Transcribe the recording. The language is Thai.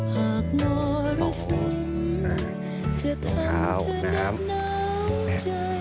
หากหน่อรู้สึกจะทันเธอน้ำใจ